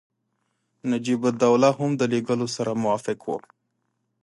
نجیب الدوله هم د لېږلو سره موافق وو.